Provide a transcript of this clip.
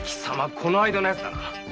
この間のやつだな。